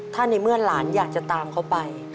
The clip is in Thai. ถ้าในเมื่อหลานอยากจะตามเขาไป